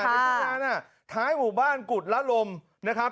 ในทุ่งนาน่ะท้ายหมู่บ้านกุฎละลมนะครับ